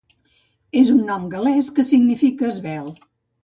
És un nom gal·lès que significa esvelt.